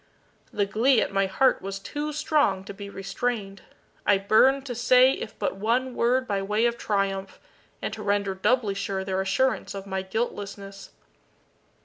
The glee at my heart was too strong to be restrained. I burned to say if but one word by way of triumph, and to render doubly sure their assurance of my guiltlessness.